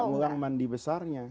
tidak ngulang mandi besarnya